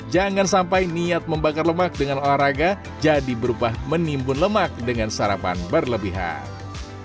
jangan sampai niat membakar lemak dengan olahraga jadi berubah menimbun lemak dengan sarapan berlebihan